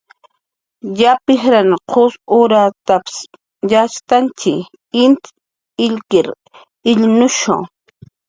"Yap ijrnaq qus urawkatap"" yatxktantx, int illkir illnushu "